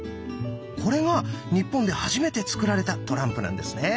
これが日本で初めて作られたトランプなんですね。